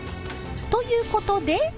ということで。